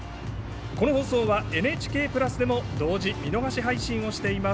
この放送はＮＨＫプラスでも同時・見逃し配信をしています。